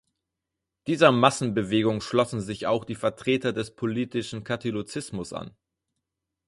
Dieser Massenbewegung schlossen sich auch die Vertreter des politischen Katholizismus an.